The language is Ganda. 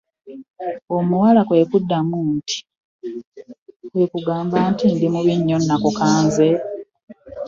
Omuwala kwe kuddamu nti, "kwe kugamba nti ndi mubi nnyo nakukanze?”